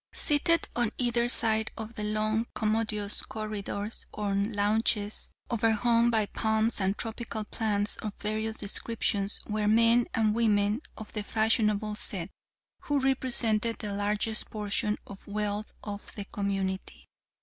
Seated on either side of the long, commodious corridors, on lounges overhung by palms and tropical plants of various descriptions, were men and women of the fashionable set, who represented the largest portion of wealth of the community.